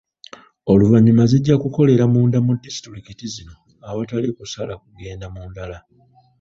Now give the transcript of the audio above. Oluvannyuma zijja kukolera munda mu disitulikiti zino awatali kusala kugenda mu ndala.